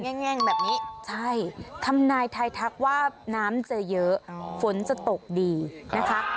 ่งแบบนี้ใช่ทำนายทายทักว่าน้ำจะเยอะฝนจะตกดีนะคะ